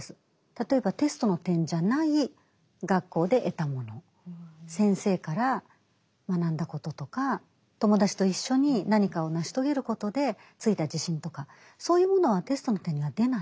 例えばテストの点じゃない学校で得たもの先生から学んだこととか友達と一緒に何かを成し遂げることでついた自信とかそういうものはテストの点には出ない。